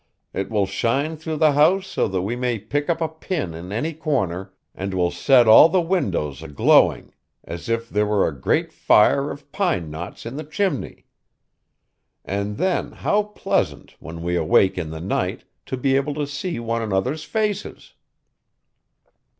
It will shine through the house so that we may pick up a pin in any corner, and will set all the windows aglowing as if there were a great fire of pine knots in the chimney. And then how pleasant, when we awake in the night, to be able to see one another's faces!